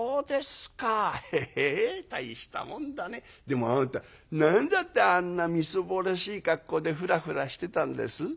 でもあなた何だってあんなみすぼらしい格好でフラフラしてたんです？」。